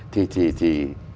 thì thì thì